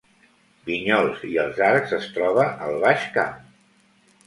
Vinyols i els Arcs es troba al Baix Camp